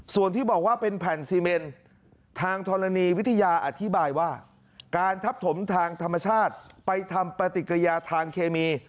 ส่วนที่บอกว่าเป็นแผ่นซีเมนทางธรณีวิทยาอธิบายว่าการทับถมทางธรรมชาติไปทำปฏิกิริยาทางเคมี